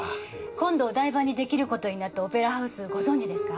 今度お台場に出来る事になったオペラハウスご存じですか？